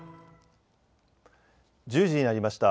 １０時になりました。